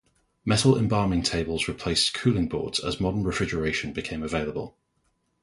Metal embalming tables replaced cooling boards as modern refrigeration became available.